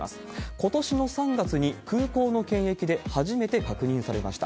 ことしの３月に空港の検疫で初めて確認されました。